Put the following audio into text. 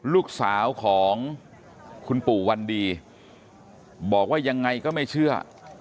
ลูกสาวของคุณปู่วันดีบอกว่ายังไงก็ไม่เชื่อ